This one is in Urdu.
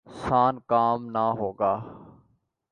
سان کام نہ ہوگا ۔